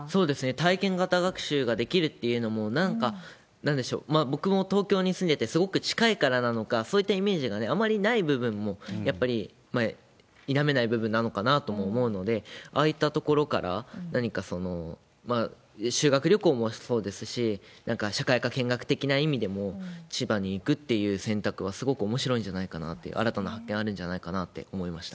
体験型学習ができるっていうのも、なんか、なんでしょう、僕も東京に住んでて、すごく近いからなのか、そういったイメージがあまりない部分も、やっぱり否めない部分なのかなと思うので、ああいったところから、何か、修学旅行もそうですし、なんか社会科見学的な意味でも、千葉に行くっていう選択はすごくおもしろいんじゃないかなと、新たな発見あるんじゃないかなって思いました。